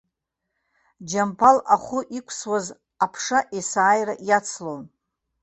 Џьамԥал ахәы иқәсуаз аԥша есааира иацлон.